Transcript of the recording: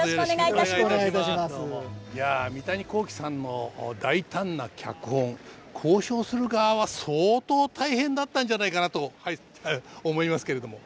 いや三谷幸喜さんの大胆な脚本考証する側は相当大変だったんじゃないかなと思いますけれども。